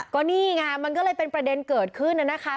ก็นี่ไงมันก็เลยเป็นประเด็นเกิดขึ้นน่ะนะคะ